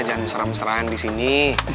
jangan seram seram disini